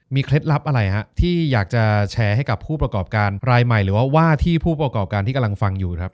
เคล็ดลับอะไรฮะที่อยากจะแชร์ให้กับผู้ประกอบการรายใหม่หรือว่าว่าที่ผู้ประกอบการที่กำลังฟังอยู่นะครับ